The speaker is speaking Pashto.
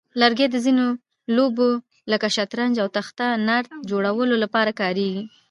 لرګي د ځینو لوبو لکه شطرنج او تخته نرد جوړولو لپاره کارېږي.